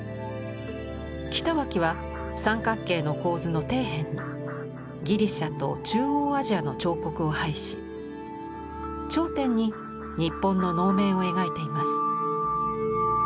北脇は三角形の構図の底辺にギリシアと中央アジアの彫刻を配し頂点に日本の能面を描いています。